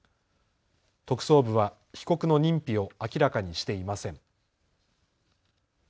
特捜部は被告の認否を明らかにしていません。